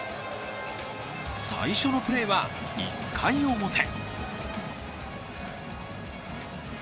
最初のプレーは、１回表。